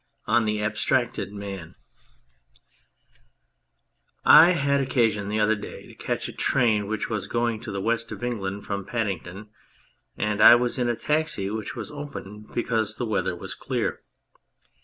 Ill THE ABSTRACTED MAN I HAD occasion the other day to catch a train which was going to the West of England from Paddington, and I was in a taxi, which was open because the weather was clear.